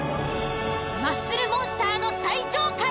［マッスルモンスターの最上階］